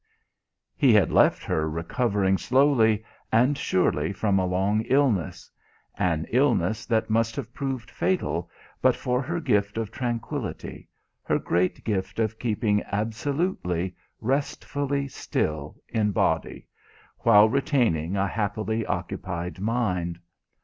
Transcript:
He had left her recovering slowly and surely from a long illness; an illness that must have proved fatal but for her gift of tranquillity, her great gift of keeping absolutely, restfully still in body, while retaining a happily occupied mind.